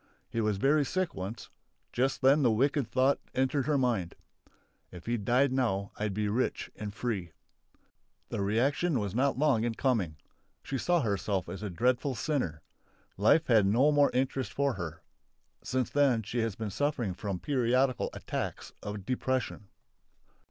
He was very sick once; just then the wicked thought entered her mind: "If he died now I'd be rich and free!" The reaction was not long in coming. She saw herself as a dreadful sinner. Life had no more interest for her. Since then she has been suffering from periodical attacks of depression.